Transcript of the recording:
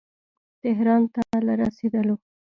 تهران ته له رسېدلو.